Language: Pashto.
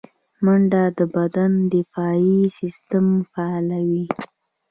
منډه د بدن دفاعي سیستم فعالوي